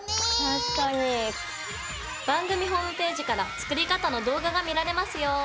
番組ホームページから作り方の動画が見られますよ。